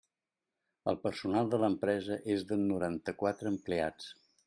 El personal de l'empresa és de noranta-quatre empleats.